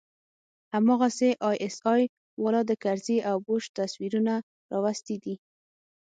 هماغسې آى اس آى والا د کرزي او بوش تصويرونه راوستي دي.